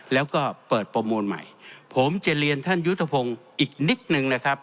แล้วก็เปิดประมูลใหม่ผมจะเรียนท่านยุทธพงศ์อีกนิดนึงนะครับ